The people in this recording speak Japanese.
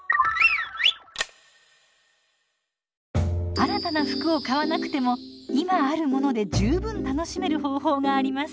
新たな服を買わなくても今あるもので十分楽しめる方法があります。